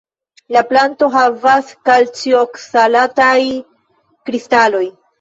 La planto havas kalcioksalataj-kristaloj.